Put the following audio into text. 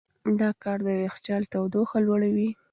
دا کار د یخچال تودوخه لوړوي.